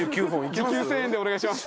時給１０００円でお願いします！